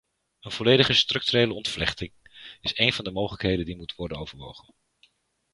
Een volledige structurele ontvlechting is een van de mogelijkheden die moet worden overwogen.